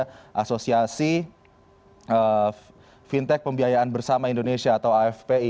atau ada juga asosiasi fintech pembiayaan bersama indonesia atau afpi